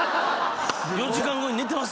４時間後に寝てます